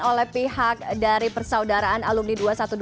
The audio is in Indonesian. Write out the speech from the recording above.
oleh pihak dari persaudaraan alumni dua ratus dua belas